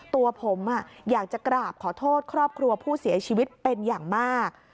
ตัวผมอยากจะกราบขอโทษครอบครัวผู้เสียชีวิตเป็นอย่างมาก